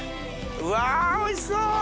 うわおいしそう！